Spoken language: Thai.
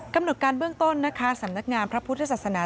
กำหนดการเบื้องต้นนะคะสำนักงานพระพุทธศาสนา